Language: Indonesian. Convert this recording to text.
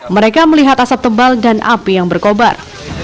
mereka melihat asap tebal dan api yang berkobar